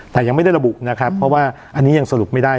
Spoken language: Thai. แต่ยังไม่ได้ระบุนะครับเพราะว่าอันนี้ยังสรุปไม่ได้